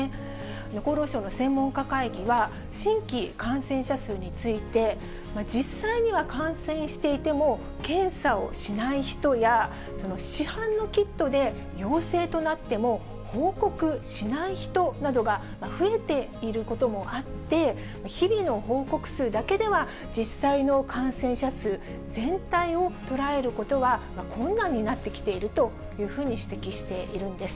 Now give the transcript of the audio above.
厚労省の専門家会議は、新規感染者数について、実際には感染していても、検査をしない人や、市販のキットで陽性となっても報告しない人などが増えていることもあって、日々の報告数だけでは、実際の感染者数全体を捉えることは困難になってきているというふうに指摘しているんです。